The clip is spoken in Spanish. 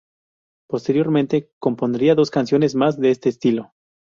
Posteriormente compondría dos canciones más de este estilo.